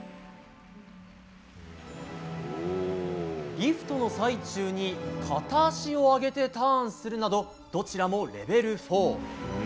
リフトの最中に片足を上げてターンするなどどちらもレベル４。